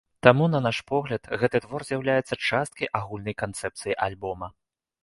Таму, на наш погляд, гэты твор з'яўляецца часткай агульнай канцэпцыі альбома.